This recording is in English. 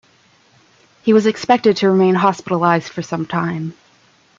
He was expected to remain hospitalised for some time.